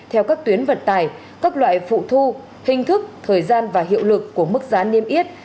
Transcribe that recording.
theo các tuyến vận tải các loại phụ thu hình thức thời gian và hiệu lực của mức giá niêm yết